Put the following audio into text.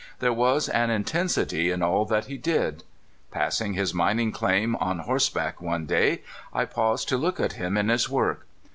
There was an intensity in all that he did. Passing his mining claim on horse back one day, I paused to look at him in his work.